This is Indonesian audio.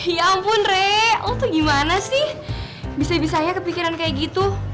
ya ampun rey oh tuh gimana sih bisa bisanya kepikiran kayak gitu